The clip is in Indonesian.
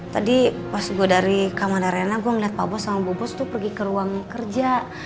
tadi pas gue dari kamana arena gue ngeliat pak bos sama bu bos tuh pergi ke ruang kerja